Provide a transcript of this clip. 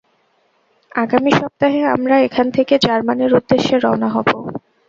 আগামী সপ্তাহে আমরা এখান থেকে জার্মানীর উদ্দেশ্যে রওনা হব।